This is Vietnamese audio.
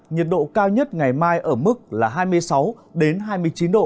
nhiệt độ cao nhất ngày mai ở mức là hai mươi sáu hai mươi chín độ